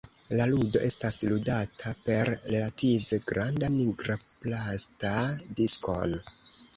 La ludo estas ludata per relative granda nigra plasta diskon.